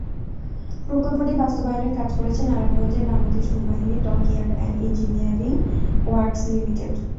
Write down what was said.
প্রকল্পটি বাস্তবায়নের কাজ করেছে নারায়ণগঞ্জের বাংলাদেশ নৌবাহিনীর dockyard and engineering works limited.